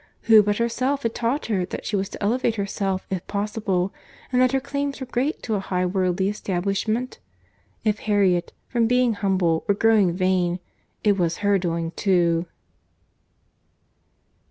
—Who but herself had taught her, that she was to elevate herself if possible, and that her claims were great to a high worldly establishment?—If Harriet, from being humble, were grown vain, it was her doing too.